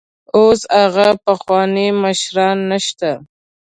اوس هغه پخواني مشران نشته.